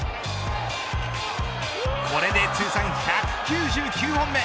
これで通算１９９本目。